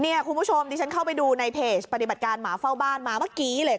คุณผู้ชมดิฉันเข้าไปดูในเพจปฏิบัติการหมาเฝ้าบ้านมาเมื่อกี้เลย